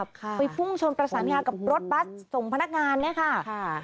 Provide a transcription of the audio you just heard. ไปพุ่งชนประสานงากับรถบัสส่งพนักงานเนี่ยค่ะ